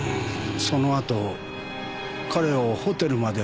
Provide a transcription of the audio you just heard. そのあと彼をホテルまで送って。